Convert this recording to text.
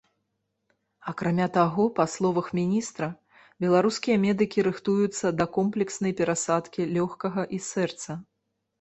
Акрамя таго, па словах міністра, беларускія медыкі рыхтуюцца да комплекснай перасадкі лёгкага і сэрца.